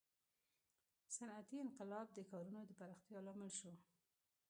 • صنعتي انقلاب د ښارونو د پراختیا لامل شو.